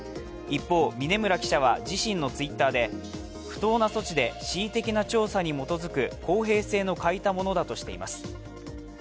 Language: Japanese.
一方、峯村記者は自身のＴｗｉｔｔｅｒで不当な措置で恣意的な調査に基づく公平性を欠いたものだとしています。